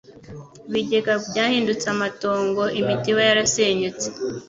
ibigega byahindutse amatongo imitiba yarasenyutse